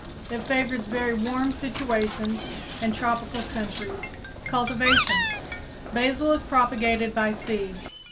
It favors very warm situations and tropical countries. Cultivation. Basil is propagated by seeds.